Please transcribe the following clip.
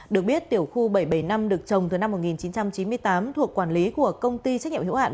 được biết tiểu khu bảy trăm bảy mươi năm được trồng từ năm một nghìn chín trăm chín mươi tám thuộc quản lý của công ty trách nhiệm hữu hạn